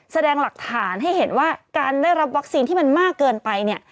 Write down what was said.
แสดงหลักฐานให้เห็นว่าการได้รับวัคซีนที่มันมากเกินไปเนี่ย